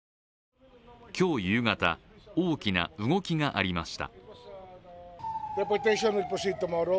今日夕方、大きな動きがありました。